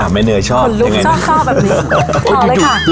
อ่ะไม่เหนื่อยชอบคุณลุกชอบแบบนี้ตอบเลยค่ะ